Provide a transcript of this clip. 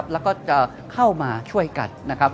แล้วก็จะเข้ามาช่วยกัน